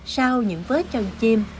sau những vớt chân chim